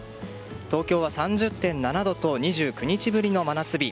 東京は３０．７度と２９日ぶりの真夏日。